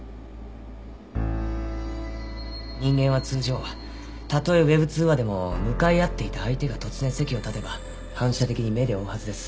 人間は通常たとえＷｅｂ通話でも向かい合っていた相手が突然席を立てば反射的に目で追うはずです。